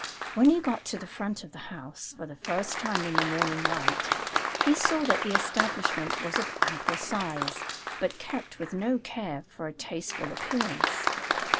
When he got to the front of the house, for the first time in the morning light, he saw that the establishment was of ample size, but kept with no care for a tasteful appearance.